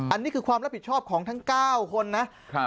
อันนี้คือความรับผิดชอบของทั้ง๙คนนะครับ